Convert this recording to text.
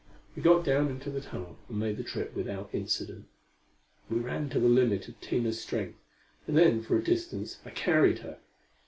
We got down into the tunnel and made the trip without incident. We ran to the limit of Tina's strength, and then for a distance I carried her.